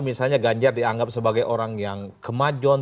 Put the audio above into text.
misalnya ganjar dianggap sebagai orang yang kemajon